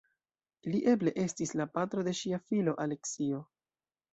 Li eble estis la patro de ŝia filo Aleksio.